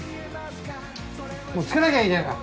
もうつけなきゃいいじゃないか。